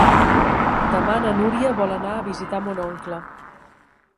Demà na Núria vol anar a visitar mon oncle.